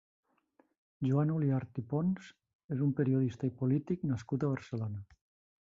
Joan Oliart i Pons és un periodista i polític nascut a Barcelona.